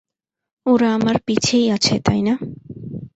ওরা আমার পিছেই আছে, তাই না?